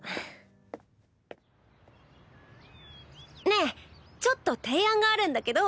ねえちょっと提案があるんだけど。